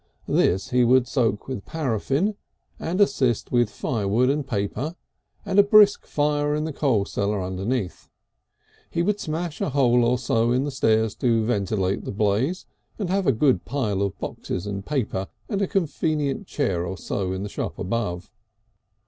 This he would soak with paraffine, and assist with firewood and paper, and a brisk fire in the coal cellar underneath. He would smash a hole or so in the stairs to ventilate the blaze, and have a good pile of boxes and paper, and a convenient chair or so in the shop above.